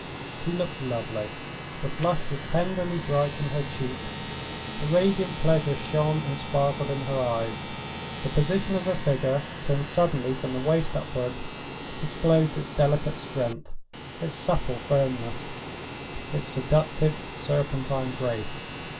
She looked lovely: the flush was tenderly bright in her cheeks; the radiant pleasure shone and sparkled in her eyes; the position of her figure, turned suddenly from the waist upward, disclosed its delicate strength, its supple firmness, its seductive, serpentine grace.